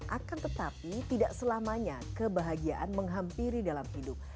akan tetapi tidak selamanya kebahagiaan menghampiri dalam hidup